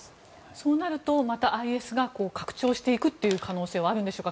そうなると、またＩＳが拡張していく可能性はあるんでしょうか。